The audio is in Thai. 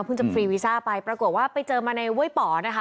จะฟรีวีซ่าไปปรากฏว่าไปเจอมาในเว้ยป๋อนะคะ